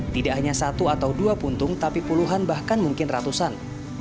tidak hanya satu atau dua puntung tapi puluhan bahkan mungkin ratusan